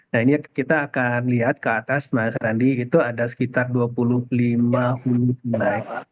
nah ini kita akan lihat ke atas mas randi itu ada sekitar dua puluh lima hulu sungai